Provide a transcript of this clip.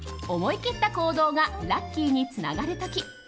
思い切った行動がラッキーにつながる時。